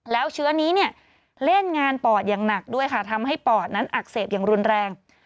แล้วเชื้อนี้เนี่ยเล่นงานปอดอย่างหนักด้วยค่ะทำให้ปอดนั้นอักเสบอย่างรุนแรง